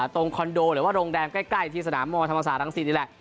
ตรงคอนโดหรือว่ารงแดงใกล้ที่สนามมธรรมศาสตร์ทั้ง๔นี่แหละ